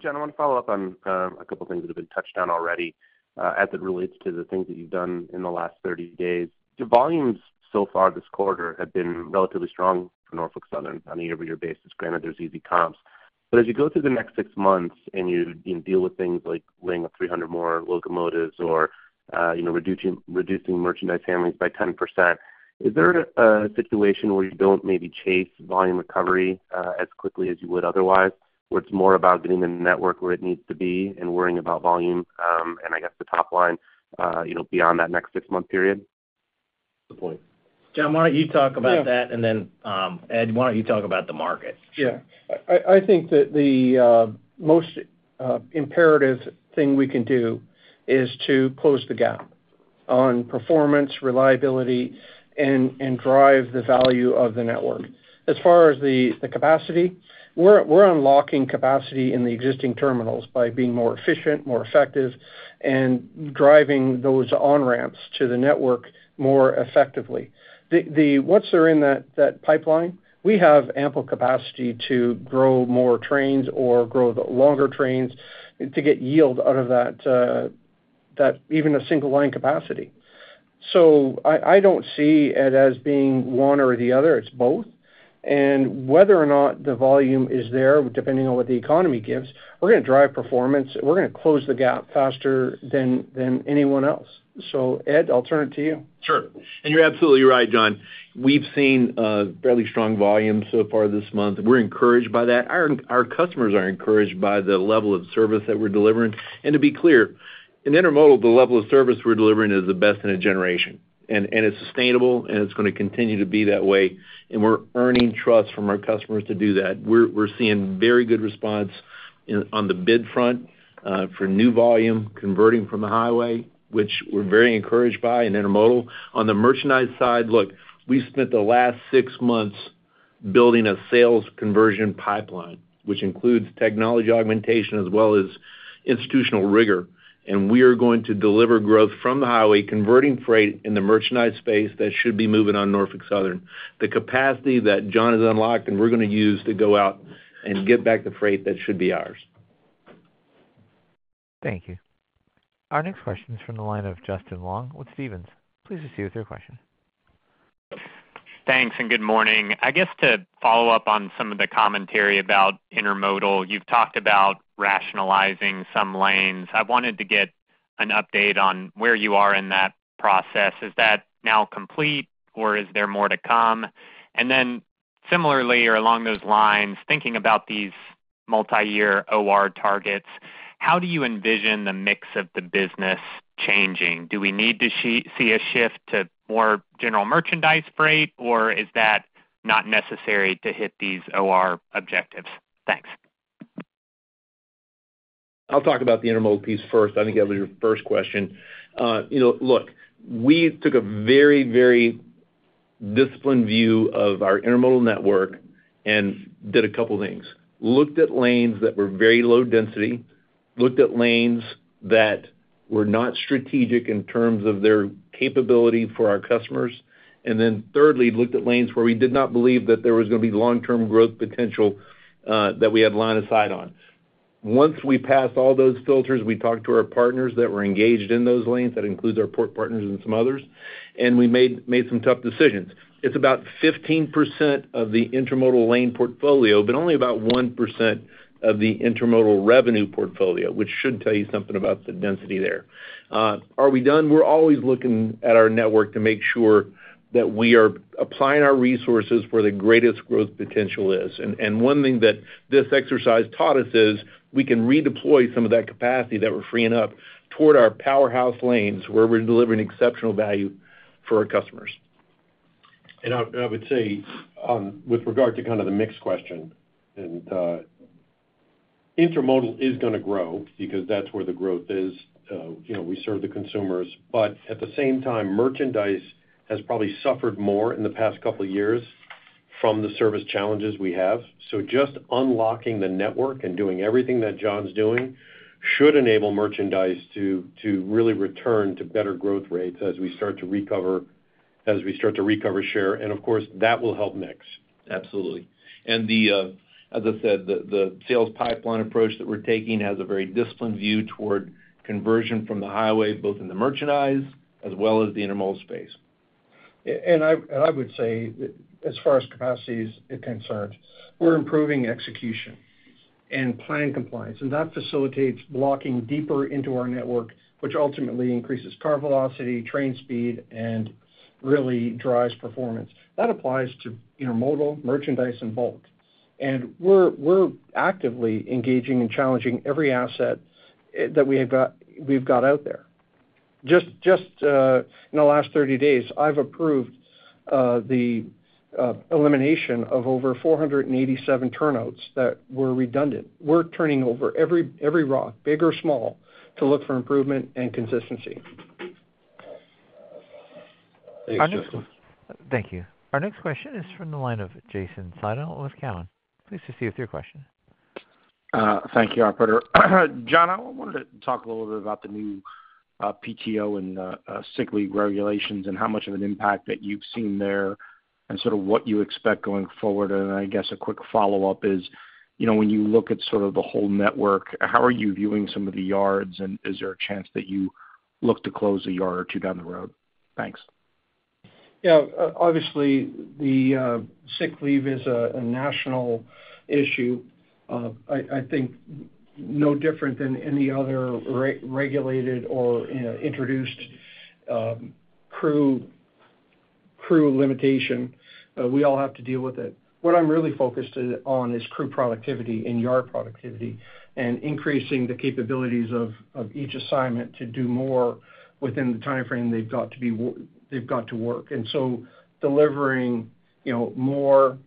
[SPEAKER 10] John, I wanna follow up on a couple of things that have been touched on already as it relates to the things that you've done in the last 30 days. Your volumes so far this quarter have been relatively strong for Norfolk Southern on a year-over-year basis. Granted, there's easy comps. But as you go through the next 6 months and you deal with things like laying off 300 more locomotives or you know, reducing merchandise families by 10%, is there a situation where you don't maybe chase volume recovery as quickly as you would otherwise? Where it's more about getting the network where it needs to be and worrying about volume and I guess, the top line you know, beyond that next 6-month period?
[SPEAKER 6] Good point.
[SPEAKER 3] John, why don't you talk about that?
[SPEAKER 6] Yeah.
[SPEAKER 3] And then, Ed, why don't you talk about the market?
[SPEAKER 6] Yeah. I think that the most imperative thing we can do is to close the gap on performance, reliability, and drive the value of the network. As far as the capacity, we're unlocking capacity in the existing terminals by being more efficient, more effective, and driving those on-ramps to the network more effectively. What's there in that pipeline, we have ample capacity to grow more trains or grow the longer trains to get yield out of that even a single line capacity. So I don't see it as being one or the other, it's both. And whether or not the volume is there, depending on what the economy gives, we're gonna drive performance, we're gonna close the gap faster than anyone else. So, Ed, I'll turn it to you.
[SPEAKER 5] Sure. You're absolutely right, John. We've seen fairly strong volumes so far this month. We're encouraged by that. Our customers are encouraged by the level of service that we're delivering. To be clear, in intermodal, the level of service we're delivering is the best in a generation, and it's sustainable, and it's gonna continue to be that way, and we're earning trust from our customers to do that. We're seeing very good response in on the bid front for new volume, converting from the highway, which we're very encouraged by in intermodal. On the merchandise side, look, we've spent the last six months building a sales conversion pipeline, which includes technology augmentation as well as institutional rigor, and we are going to deliver growth from the highway, converting freight in the merchandise space that should be moving on Norfolk Southern. The capacity that John has unlocked, and we're gonna use to go out and get back the freight that should be ours.
[SPEAKER 1] Thank you. Our next question is from the line of Justin Long with Stephens. Please proceed with your question.
[SPEAKER 11] Thanks, and good morning. I guess to follow up on some of the commentary about intermodal, you've talked about rationalizing some lanes. I wanted to get an update on where you are in that process. Is that now complete, or is there more to come? And then similarly, or along those lines, thinking about these multi-year OR targets, how do you envision the mix of the business changing? Do we need to see a shift to more general merchandise freight, or is that not necessary to hit these OR objectives? Thanks.
[SPEAKER 5] I'll talk about the intermodal piece first. I think that was your first question. You know, look, we took a very, very disciplined view of our intermodal network and did a couple things: looked at lanes that were very low density, looked at lanes that were not strategic in terms of their capability for our customers, and then thirdly, looked at lanes where we did not believe that there was gonna be long-term growth potential, that we had line of sight on. Once we passed all those filters, we talked to our partners that were engaged in those lanes, that includes our port partners and some others, and we made some tough decisions. It's about 15% of the intermodal lane portfolio, but only about 1% of the intermodal revenue portfolio, which should tell you something about the density there. Are we done? We're always looking at our network to make sure that we are applying our resources where the greatest growth potential is. And one thing that this exercise taught us is, we can redeploy some of that capacity that we're freeing up toward our powerhouse lanes, where we're delivering exceptional value for our customers....
[SPEAKER 4] I would say, with regard to kind of the mix question, intermodal is gonna grow because that's where the growth is. You know, we serve the consumers, but at the same time, merchandise has probably suffered more in the past couple of years from the service challenges we have. So just unlocking the network and doing everything that John's doing should enable merchandise to really return to better growth rates as we start to recover share, and of course, that will help mix. Absolutely. As I said, the sales pipeline approach that we're taking has a very disciplined view toward conversion from the highway, both in the merchandise as well as the intermodal space.
[SPEAKER 6] Yeah, and I would say that as far as capacity is concerned, we're improving execution and plan compliance, and that facilitates blocking deeper into our network, which ultimately increases car velocity, train speed, and really drives performance. That applies to intermodal, merchandise, and bulk. And we're actively engaging and challenging every asset that we have got—we've got out there. Just in the last 30 days, I've approved the elimination of over 487 turnouts that were redundant. We're turning over every rock, big or small, to look for improvement and consistency.
[SPEAKER 4] Thanks, Justin.
[SPEAKER 1] Thank you. Our next question is from the line of Jason Seidl with Cowen. Please proceed with your question.
[SPEAKER 12] Thank you, operator. John, I wanted to talk a little bit about the new PTO and sick leave regulations, and how much of an impact that you've seen there, and sort of what you expect going forward. I guess a quick follow-up is, you know, when you look at sort of the whole network, how are you viewing some of the yards, and is there a chance that you look to close a yard or two down the road? Thanks.
[SPEAKER 6] Yeah, obviously, the sick leave is a national issue. I think no different than any other regulated or, you know, introduced crew limitation. We all have to deal with it. What I'm really focused on is crew productivity and yard productivity, and increasing the capabilities of each assignment to do more within the timeframe they've got to work. And so delivering, you know, more,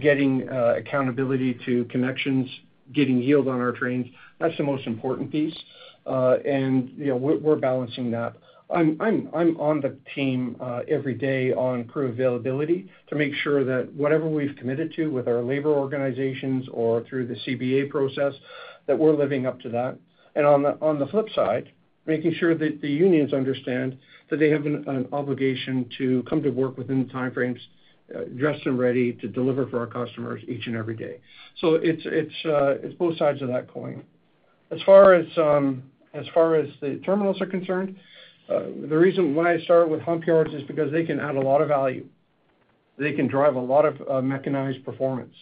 [SPEAKER 6] getting accountability to connections, getting yield on our trains, that's the most important piece. And, you know, we're balancing that. I'm on the team every day on crew availability to make sure that whatever we've committed to with our labor organizations or through the CBA process, that we're living up to that. And on the flip side, making sure that the unions understand that they have an obligation to come to work within the time frames, dressed and ready to deliver for our customers each and every day. So it's both sides of that coin. As far as the terminals are concerned, the reason why I started with hump yards is because they can add a lot of value. They can drive a lot of mechanized performance.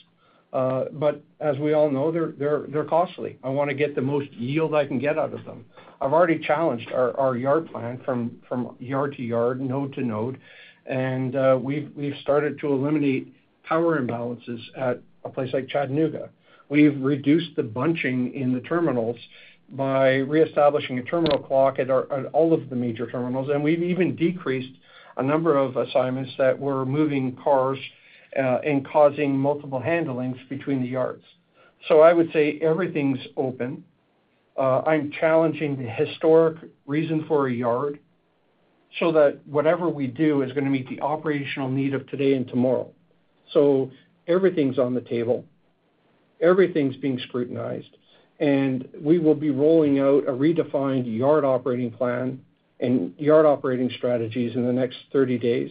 [SPEAKER 6] But as we all know, they're costly. I wanna get the most yield I can get out of them. I've already challenged our yard plan from yard to yard, node to node, and we've started to eliminate power imbalances at a place like Chattanooga. We've reduced the bunching in the terminals by reestablishing a terminal clock at all of the major terminals, and we've even decreased a number of assignments that were moving cars, and causing multiple handlings between the yards. So I would say everything's open. I'm challenging the historic reason for a yard so that whatever we do is gonna meet the operational need of today and tomorrow. So everything's on the table, everything's being scrutinized, and we will be rolling out a redefined yard operating plan and yard operating strategies in the next 30 days,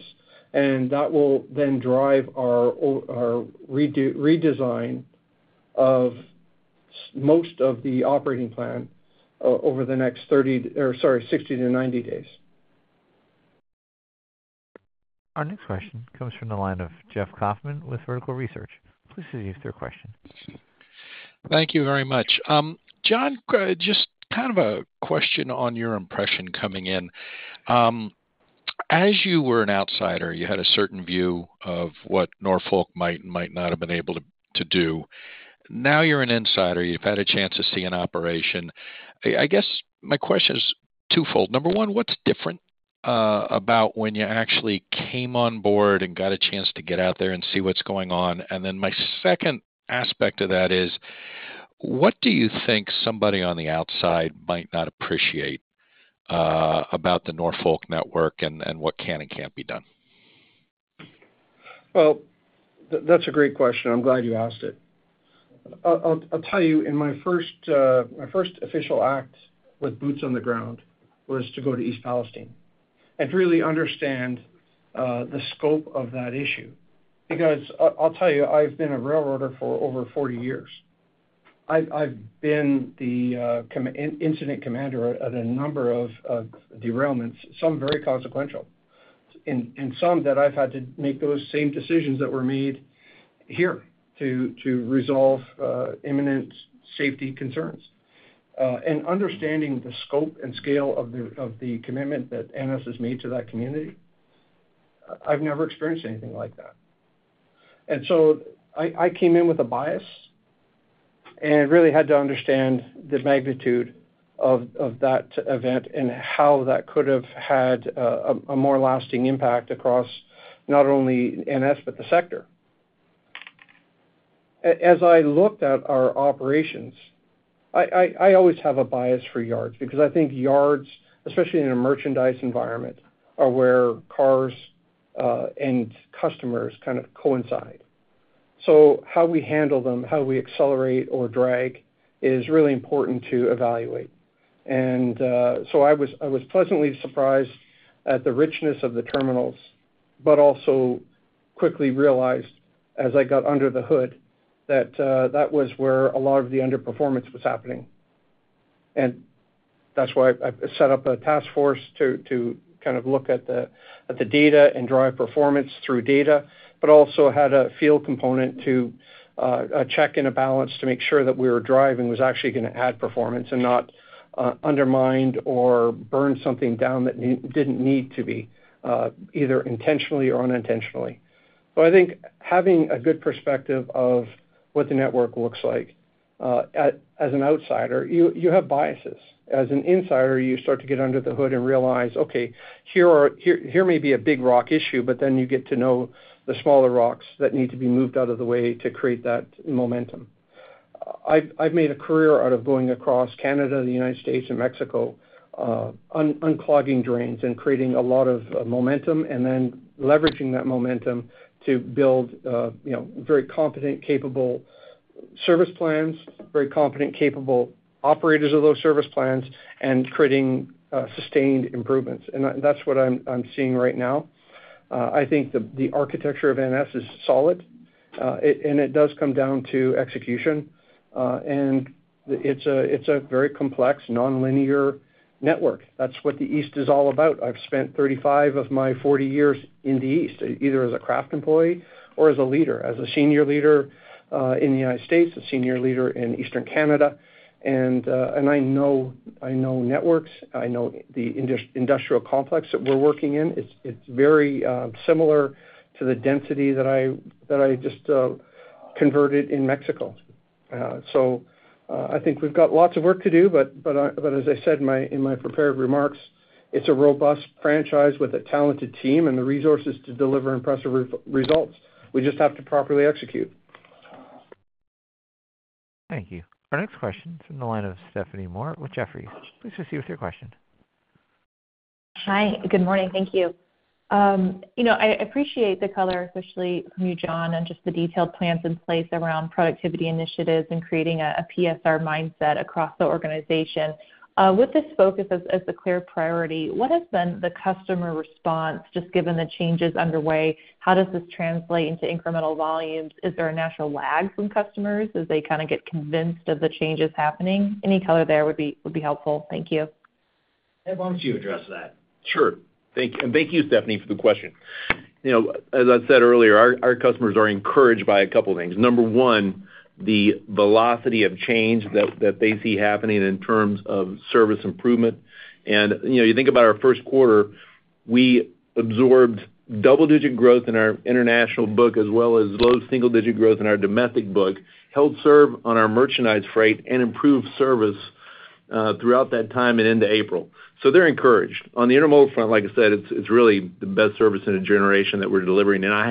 [SPEAKER 6] and that will then drive our redesign of most of the operating plan over the next 30, or sorry, 60-90 days.
[SPEAKER 1] Our next question comes from the line of Jeff Kauffman with Vertical Research. Please proceed with your question.
[SPEAKER 13] Thank you very much. John, just kind of a question on your impression coming in. As you were an outsider, you had a certain view of what Norfolk might and might not have been able to do. Now, you're an insider, you've had a chance to see an operation. I guess my question is twofold. Number one, what's different about when you actually came on board and got a chance to get out there and see what's going on? And then my second aspect of that is: what do you think somebody on the outside might not appreciate about the Norfolk network and what can and can't be done?
[SPEAKER 6] Well, that's a great question. I'm glad you asked it. I'll tell you, in my first, my first official act with boots on the ground was to go to East Palestine and really understand the scope of that issue. Because I'll tell you, I've been a railroader for over 40 years. I've been the incident commander at a number of derailments, some very consequential, and some that I've had to make those same decisions that were made here to resolve imminent safety concerns. And understanding the scope and scale of the commitment that NS has made to that community, I've never experienced anything like that. And so I came in with a bias-... and really had to understand the magnitude of that event and how that could have had a more lasting impact across not only NS, but the sector. As I looked at our operations, I always have a bias for yards because I think yards, especially in a merchandise environment, are where cars and customers kind of coincide. So how we handle them, how we accelerate or drag, is really important to evaluate. And so I was pleasantly surprised at the richness of the terminals, but also quickly realized, as I got under the hood, that that was where a lot of the underperformance was happening. And that's why I set up a task force to kind of look at the data and drive performance through data, but also had a field component to a check and a balance to make sure that we were driving was actually gonna add performance and not undermined or burn something down that didn't need to be, either intentionally or unintentionally. But I think having a good perspective of what the network looks like as an outsider, you have biases. As an insider, you start to get under the hood and realize, okay, here may be a big rock issue, but then you get to know the smaller rocks that need to be moved out of the way to create that momentum. I've made a career out of going across Canada, the United States, and Mexico, unclogging drains and creating a lot of momentum, and then leveraging that momentum to build, you know, very competent, capable service plans, very competent, capable operators of those service plans, and creating sustained improvements. That, that's what I'm seeing right now. I think the architecture of NS is solid, and it does come down to execution, and it's a very complex, nonlinear network. That's what the East is all about. I've spent 35 of my 40 years in the East, either as a craft employee or as a leader, as a senior leader, in the United States, a senior leader in Eastern Canada, and I know networks. I know the industrial complex that we're working in. It's very similar to the density that I just converted in Mexico. So, I think we've got lots of work to do, but as I said in my prepared remarks, it's a robust franchise with a talented team and the resources to deliver impressive results. We just have to properly execute.
[SPEAKER 1] Thank you. Our next question is in the line of Stephanie Moore with Jefferies. Please proceed with your question.
[SPEAKER 14] Hi, good morning. Thank you. You know, I appreciate the color, especially from you, John, and just the detailed plans in place around productivity initiatives and creating a PSR mindset across the organization. With this focus as a clear priority, what has been the customer response, just given the changes underway? How does this translate into incremental volumes? Is there a natural lag from customers as they kind of get convinced of the changes happening? Any color there would be helpful. Thank you.
[SPEAKER 3] Ed, why don't you address that?
[SPEAKER 5] Sure. Thank you, and thank you, Stephanie, for the question. You know, as I said earlier, our customers are encouraged by a couple of things. Number one, the velocity of change that they see happening in terms of service improvement. You know, you think about our first quarter, we absorbed double-digit growth in our international book, as well as low single-digit growth in our domestic book, held serve on our merchandise freight, and improved service throughout that time and into April. So they're encouraged. On the intermodal front, like I said, it's really the best service in a generation that we're delivering, and I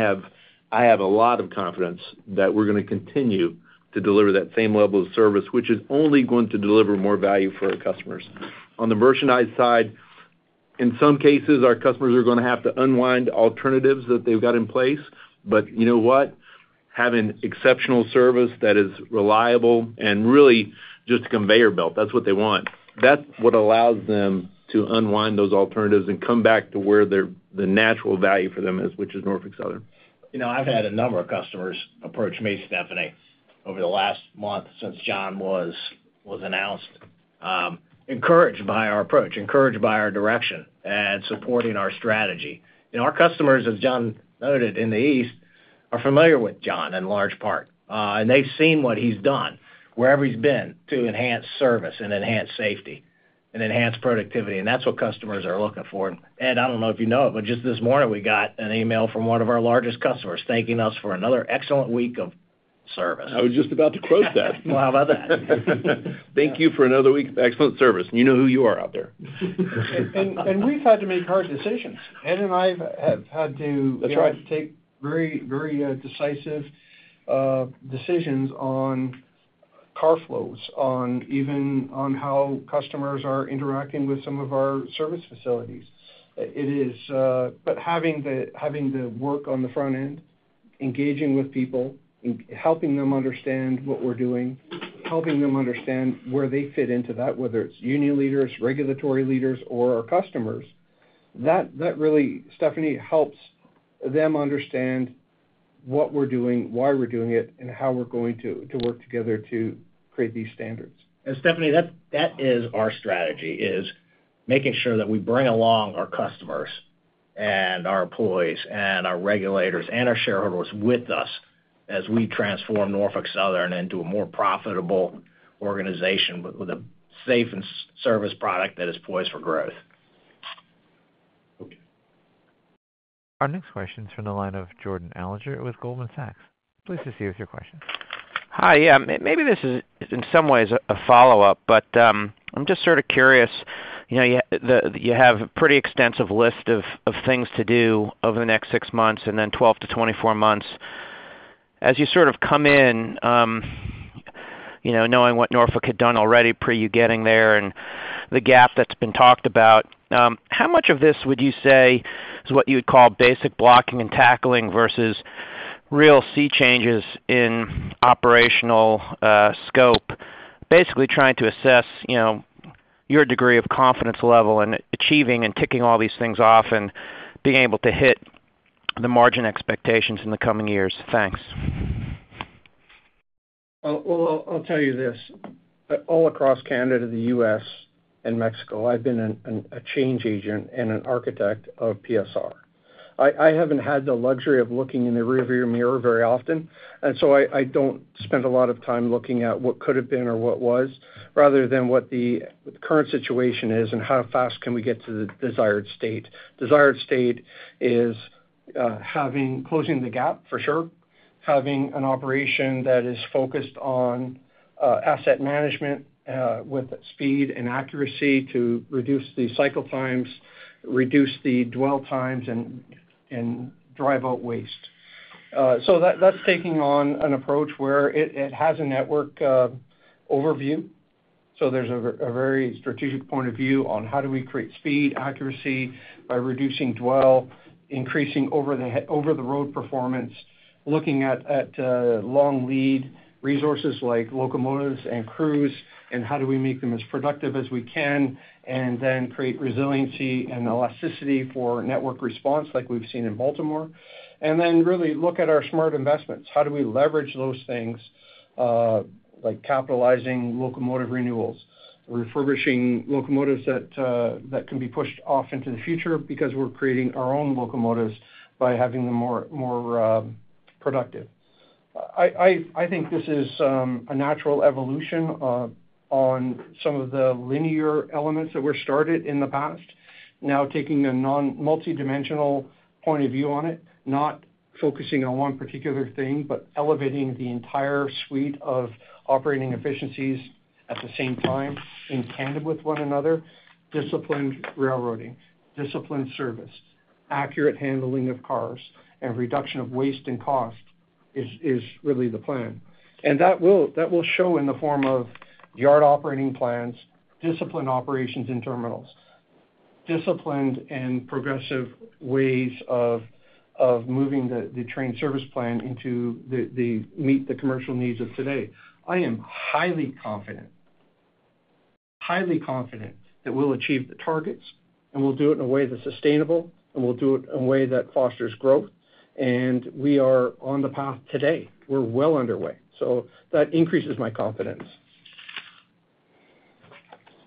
[SPEAKER 5] have a lot of confidence that we're gonna continue to deliver that same level of service, which is only going to deliver more value for our customers. On the merchandise side, in some cases, our customers are gonna have to unwind alternatives that they've got in place. But you know what? Having exceptional service that is reliable and really just a conveyor belt, that's what they want. That's what allows them to unwind those alternatives and come back to where their, the natural value for them is, which is Norfolk Southern.
[SPEAKER 3] You know, I've had a number of customers approach me, Stephanie, over the last month since John was announced, encouraged by our approach, encouraged by our direction, and supporting our strategy. And our customers, as John noted in the East, are familiar with John in large part, and they've seen what he's done wherever he's been to enhance service and enhance safety and enhance productivity, and that's what customers are looking for. And I don't know if you know it, but just this morning, we got an email from one of our largest customers thanking us for another excellent week of service.
[SPEAKER 5] I was just about to quote that.
[SPEAKER 3] Well, how about that?
[SPEAKER 5] Thank you for another week of excellent service, and you know who you are out there.
[SPEAKER 6] And we've had to make hard decisions. Ed and I have had to-
[SPEAKER 5] That's right...
[SPEAKER 6] we've had to take very, very, decisive decisions on car flows, on how customers are interacting with some of our service facilities. It is. But having the work on the front end, engaging with people, and helping them understand what we're doing, helping them understand where they fit into that, whether it's union leaders, regulatory leaders, or our customers, that really, Stephanie, helps them understand what we're doing, why we're doing it, and how we're going to work together to create these standards.
[SPEAKER 3] Stephanie, that is our strategy, is making sure that we bring along our customers and our employees and our regulators and our shareholders with us as we transform Norfolk Southern into a more profitable organization, with a safe and service product that is poised for growth....
[SPEAKER 1] Our next question is from the line of Jordan Alliger with Goldman Sachs. Please proceed with your question.
[SPEAKER 15] Hi, yeah, maybe this is, in some ways, a follow-up, but, I'm just sort of curious, you know, you have a pretty extensive list of things to do over the next six months and then 12-24 months. As you sort of come in, you know, knowing what Norfolk had done already pre you getting there and the gap that's been talked about, how much of this would you say is what you would call basic blocking and tackling versus real sea changes in operational scope? Basically, trying to assess, you know, your degree of confidence level in achieving and ticking all these things off and being able to hit the margin expectations in the coming years. Thanks.
[SPEAKER 6] Well, well, I'll tell you this. All across Canada, the U.S., and Mexico, I've been a change agent and an architect of PSR. I haven't had the luxury of looking in the rearview mirror very often, and so I don't spend a lot of time looking at what could have been or what was, rather than what the current situation is and how fast can we get to the desired state. Desired state is having- closing the gap for sure, having an operation that is focused on asset management with speed and accuracy to reduce the cycle times, reduce the dwell times, and drive out waste. So that's taking on an approach where it has a network overview. So there's a very strategic point of view on how do we create speed, accuracy by reducing dwell, increasing over-the-road performance, looking at long lead resources like locomotives and crews, and how do we make them as productive as we can, and then create resiliency and elasticity for network response like we've seen in Baltimore. Then really look at our smart investments. How do we leverage those things, like capitalizing locomotive renewals, refurbishing locomotives that can be pushed off into the future because we're creating our own locomotives by having them more productive? I think this is a natural evolution on some of the linear elements that were started in the past. Now, taking a non-multidimensional point of view on it, not focusing on one particular thing, but elevating the entire suite of operating efficiencies at the same time, in tandem with one another, disciplined railroading, disciplined service, accurate handling of cars, and reduction of waste and cost is really the plan. That will show in the form of yard operating plans, disciplined operations in terminals, disciplined and progressive ways of moving the train service plan to meet the commercial needs of today. I am highly confident that we'll achieve the targets, and we'll do it in a way that's sustainable, and we'll do it in a way that fosters growth, and we are on the path today. We're well underway, so that increases my confidence.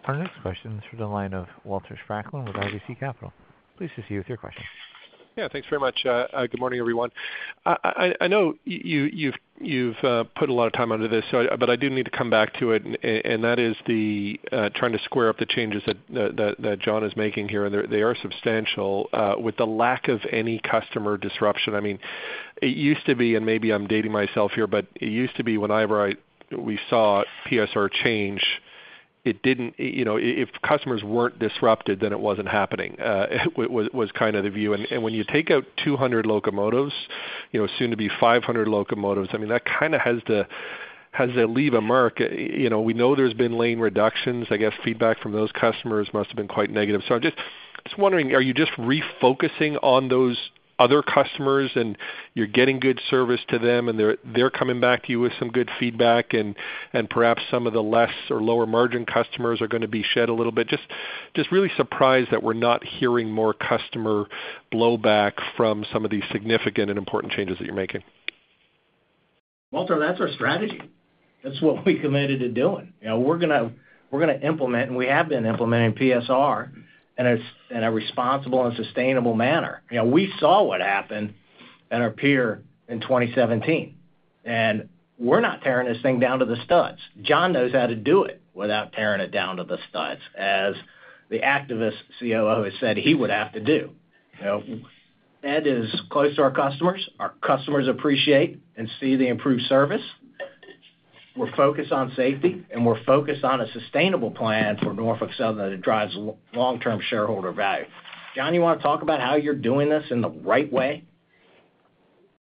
[SPEAKER 1] Our next question is from the line of Walter Spracklin with RBC Capital. Please proceed with your question.
[SPEAKER 16] Yeah, thanks very much. Good morning, everyone. I know you’ve put a lot of time into this, so I—but I do need to come back to it, and that is trying to square up the changes that John is making here, and they are substantial with the lack of any customer disruption. I mean, it used to be, and maybe I'm dating myself here, but it used to be whenever we saw PSR change, it didn't—you know, if customers weren't disrupted, then it wasn't happening, was kind of the view. And when you take out 200 locomotives, you know, soon to be 500 locomotives, I mean, that kind of has to leave a mark. You know, we know there's been lane reductions. I guess feedback from those customers must have been quite negative. So I'm just, just wondering: Are you just refocusing on those other customers, and you're getting good service to them, and they're, they're coming back to you with some good feedback, and, and perhaps some of the less or lower-margin customers are gonna be shed a little bit? Just, just really surprised that we're not hearing more customer blowback from some of these significant and important changes that you're making.
[SPEAKER 3] Walter, that's our strategy. That's what we committed to doing. You know, we're gonna, we're gonna implement, and we have been implementing PSR in a responsible and sustainable manner. You know, we saw what happened at our peer in 2017, and we're not tearing this thing down to the studs. John knows how to do it without tearing it down to the studs, as the activist COO has said he would have to do. You know, Ed is close to our customers. Our customers appreciate and see the improved service. We're focused on safety, and we're focused on a sustainable plan for Norfolk Southern that drives long-term shareholder value. John, you want to talk about how you're doing this in the right way?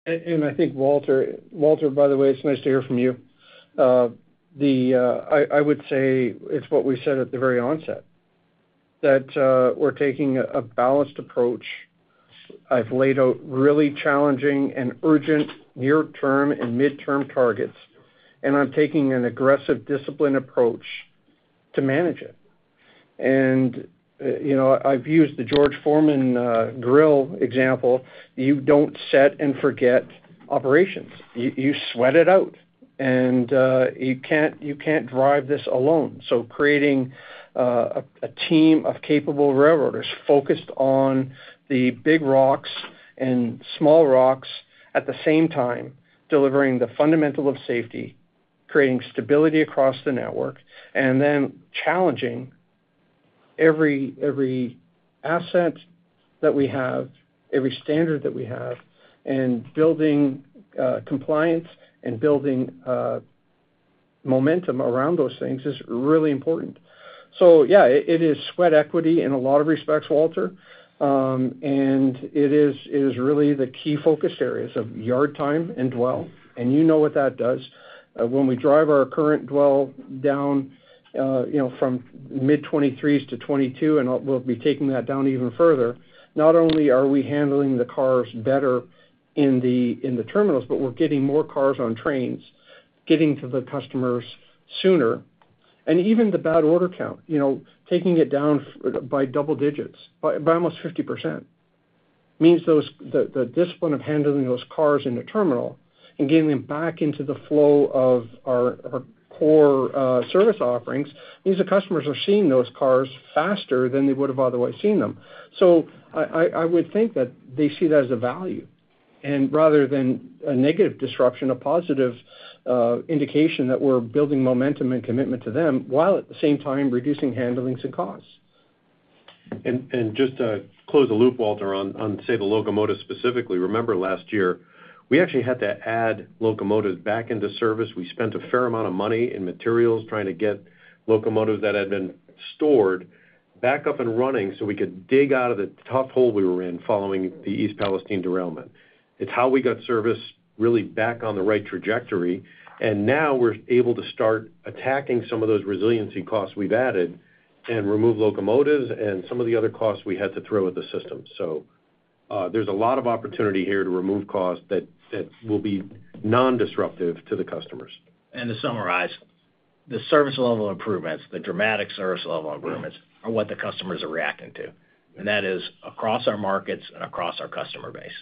[SPEAKER 6] I think, Walter—Walter, by the way, it's nice to hear from you. I would say it's what we said at the very onset, that we're taking a balanced approach. I've laid out really challenging and urgent near-term and midterm targets, and I'm taking an aggressive, disciplined approach to manage it. And, you know, I've used the George Foreman grill example. You don't set and forget operations. You sweat it out, and you can't drive this alone. So creating a team of capable railroaders focused on the big rocks and small rocks at the same time, delivering the fundamental of safety, creating stability across the network, and then challenging every asset that we have, every standard that we have, and building compliance and building momentum around those things is really important. So yeah, it is sweat equity in a lot of respects, Walter. And it is really the key focus areas of yard time and dwell, and you know what that does. When we drive our current dwell down, you know, from mid-2020 to 2022, we'll be taking that down even further, not only are we handling the cars better in the terminals, but we're getting more cars on trains, getting to the customers sooner. And even the bad order count, you know, taking it down by double digits, by almost 50%, means the discipline of handling those cars in the terminal and getting them back into the flow of our core service offerings, means the customers are seeing those cars faster than they would have otherwise seen them. I would think that they see that as a value, and rather than a negative disruption, a positive indication that we're building momentum and commitment to them, while at the same time reducing handlings and costs.
[SPEAKER 4] Just to close the loop, Walter, on say the locomotives specifically, remember last year, we actually had to add locomotives back into service. We spent a fair amount of money in materials trying to get locomotives that had been stored back up and running, so we could dig out of the tough hole we were in following the East Palestine derailment. It's how we got service really back on the right trajectory, and now we're able to start attacking some of those resiliency costs we've added and remove locomotives and some of the other costs we had to throw at the system. So, there's a lot of opportunity here to remove costs that will be non-disruptive to the customers.
[SPEAKER 3] To summarize, the service level improvements, the dramatic service level improvements, are what the customers are reacting to, and that is across our markets and across our customer base.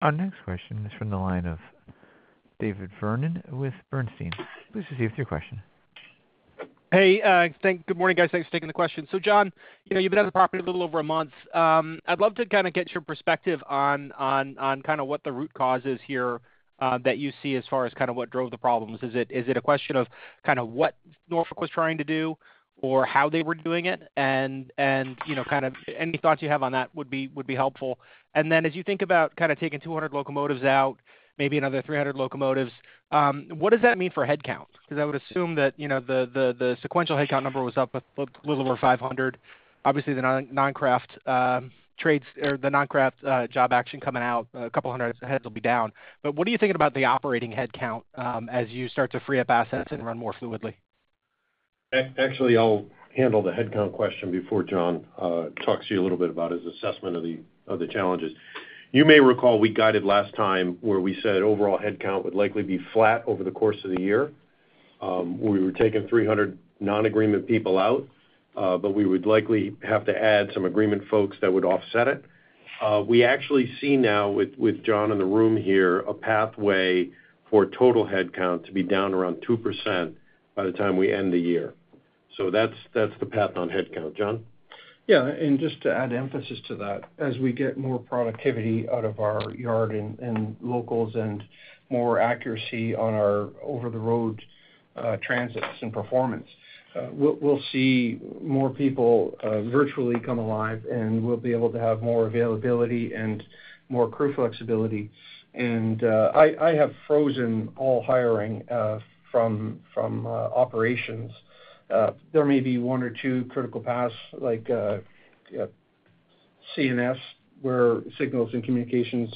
[SPEAKER 1] Our next question is from the line of David Vernon with Bernstein. Please proceed with your question.
[SPEAKER 17] Hey, Good morning, guys. Thanks for taking the question. So, John, you know, you've been on the property a little over a month. I'd love to kind of get your perspective on kind of what the root cause is here, that you see as far as kind of what drove the problems. Is it a question of kind of what Norfolk was trying to do or how they were doing it? And you know, kind of any thoughts you have on that would be helpful. And then, as you think about kind of taking 200 locomotives out, maybe another 300 locomotives, what does that mean for headcount? Because I would assume that, you know, the sequential headcount number was up a little over 500. Obviously, the non-craft trades or the non-craft job action coming out, 200 heads will be down. But what are you thinking about the operating headcount, as you start to free up assets and run more fluidly?
[SPEAKER 4] Actually, I'll handle the headcount question before John talks to you a little bit about his assessment of the challenges. You may recall we guided last time where we said overall headcount would likely be flat over the course of the year. We were taking 300 non-agreement people out, but we would likely have to add some agreement folks that would offset it. We actually see now, with John in the room here, a pathway for total headcount to be down around 2% by the time we end the year. So that's the path on headcount. John?
[SPEAKER 6] Yeah, and just to add emphasis to that, as we get more productivity out of our yard and locals and more accuracy on our over-the-road transits and performance, we'll see more people virtually come alive, and we'll be able to have more availability and more crew flexibility. And I have frozen all hiring from operations. There may be one or two critical paths, like C&S, where signals and communications,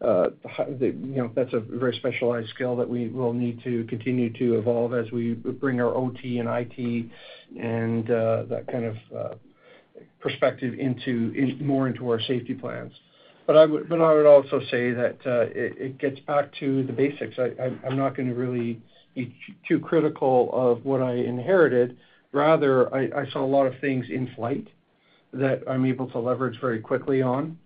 [SPEAKER 6] you know, that's a very specialized skill that we will need to continue to evolve as we bring our OT and IT and that kind of perspective into more into our safety plans. But I would also say that it gets back to the basics. I'm not gonna really be too critical of what I inherited. Rather, I saw a lot of things in flight that I'm able to leverage very quickly on.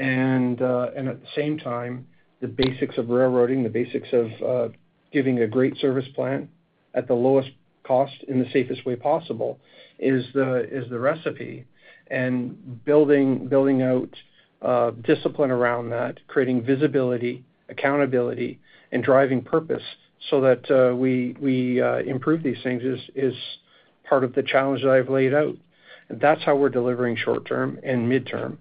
[SPEAKER 6] And at the same time, the basics of railroading, the basics of giving a great service plan at the lowest cost in the safest way possible is the recipe. And building out discipline around that, creating visibility, accountability, and driving purpose so that we improve these things is part of the challenge that I've laid out. And that's how we're delivering short-term and midterm,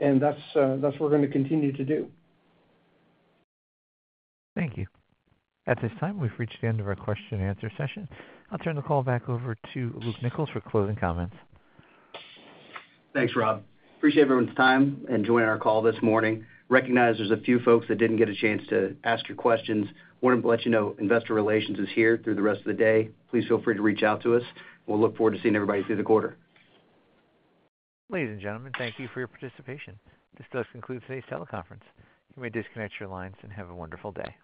[SPEAKER 6] and that's what we're gonna continue to do.
[SPEAKER 1] Thank you. At this time, we've reached the end of our question and answer session. I'll turn the call back over to Luke Nichols for closing comments.
[SPEAKER 2] Thanks, Rob. Appreciate everyone's time in joining our call this morning. Recognize there's a few folks that didn't get a chance to ask your questions. Wanted to let you know Investor Relations is here through the rest of the day. Please feel free to reach out to us. We'll look forward to seeing everybody through the quarter.
[SPEAKER 1] Ladies and gentlemen, thank you for your participation. This does conclude today's teleconference. You may disconnect your lines, and have a wonderful day.